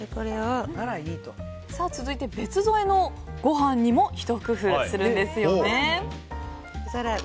続いて別添えのご飯にもひと工夫するんですよね。